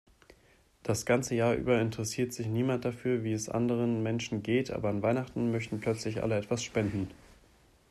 Das ganze Jahr über interessiert sich niemand dafür, wie es anderen Menschen geht, aber an Weihnachten möchten plötzlich alle etwas spenden.